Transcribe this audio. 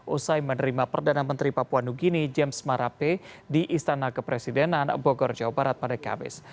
usai menerima perdana menteri papua new guinea james marape di istana kepresidenan bogor jawa barat pada kamis